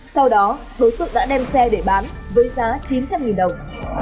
sau đó đối tượng đã đem xe để bán với giá chín trăm linh đồng